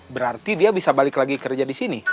berarti dia bisa balik lagi kerja di sini